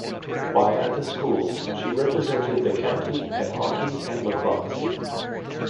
While at the school she represented the county at hockey and lacrosse.